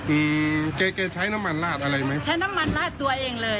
อืมแกแกใช้น้ำมันลาดอะไรไหมใช้น้ำมันลาดตัวเองเลย